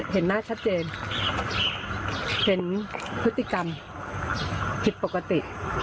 เห็นหน้าชัดเจนเห็นพฤติกรรมผิดปกติ